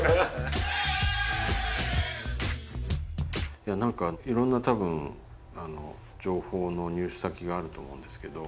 いや何かいろんな多分情報の入手先があると思うんですけど。